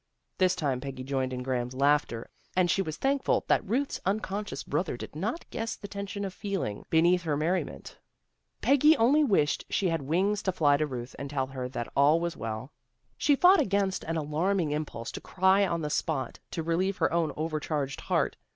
This time Peggy joined in Graham's laughter, and she was thankful that Ruth's unconscious brother did not guess the tension of feeling be neath her merriment. Peggy only wished she had wings to fly to Ruth, and tell her that all was well. She fought against an alarming im pulse to cry on the spot, to relieve her own overcharged heart.